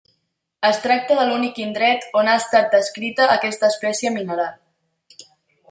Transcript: Es tracta de l'únic indret a on ha estat descrita aquesta espècie mineral.